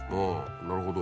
なるほど。